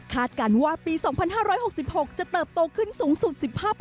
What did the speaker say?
การว่าปี๒๕๖๖จะเติบโตขึ้นสูงสุด๑๕